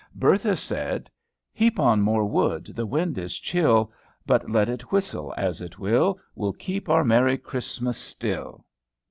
Bertha said, "Heap on more wood, the wind is chill; But let it whistle as it will, We'll keep our merry Christmas still."